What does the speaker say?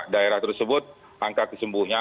daerah tersebut angka kesembuhannya